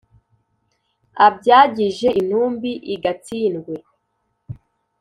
Abyagije intumbi i Gatsindwe,